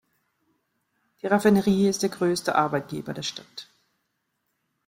Die Raffinerie ist der größte Arbeitgeber der Stadt.